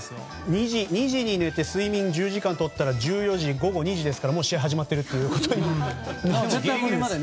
２時に寝て睡眠１０時間取ったら１４時、午後２時なのでもう試合が始まっていますね。